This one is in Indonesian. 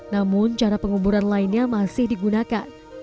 namun cara penguburan lainnya masih digunakan